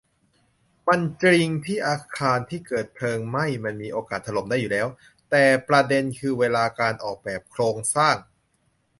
มันจริงที่อาคารที่เกิดเพลิงไหม้มันมีโอกาสถล่มได้อยู่แล้ว แต่ประเด็นคือเวลาการออกแบบโครงสร้าง